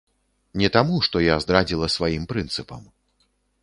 Не таму, што я здрадзіла сваім прынцыпам.